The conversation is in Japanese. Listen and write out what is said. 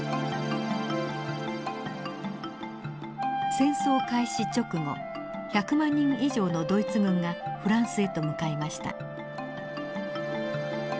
戦争開始直後１００万人以上のドイツ軍がフランスへと向かいました。